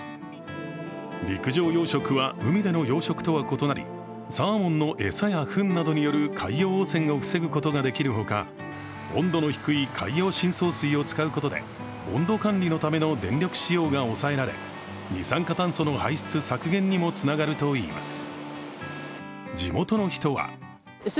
陸上養殖は海での養殖とは異なりサーモンの餌やフンなどによる海洋汚染を防ぐことができるほか温度の低い海洋深層水を使うことで温度管理のための電力使用が抑えられ二酸化炭素の排出削減にもつながるといいます。